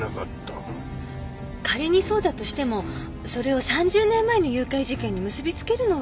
仮にそうだとしてもそれを３０年前の誘拐事件に結びつけるのは。